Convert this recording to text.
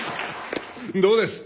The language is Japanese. どうです？